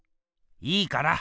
いいから。